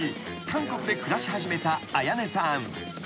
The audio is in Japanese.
韓国で暮らし始めた彩音さん］